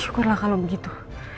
syukurlah kalo begitu